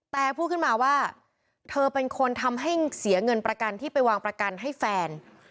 แต่พูดขึ้นมาว่าเธอเป็นคนทำให้เสียเงินประกันที่ไปวางประกันให้แฟน